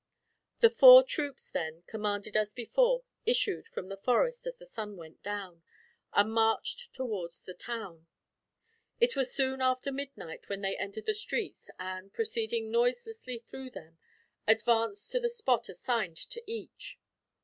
The four troops then, commanded as before, issued from the forest as the sun went down, and marched towards the town. It was soon after midnight when they entered the streets and, proceeding noiselessly through them, advanced to the spot assigned to each.